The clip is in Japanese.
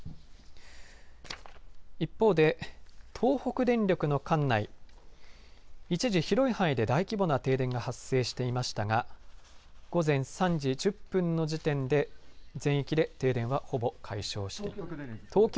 一方で、東北電力の管内一時広い範囲で大規模な停電が発生していましたが午前３時１０分の時点で全域で停電はほぼ解消しています。